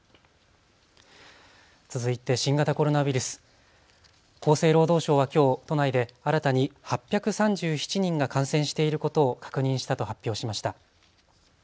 続いて新型コロナウイルス、厚生労働省はきょう都内で新たに８３７人が感染していることを確認したと発表しました。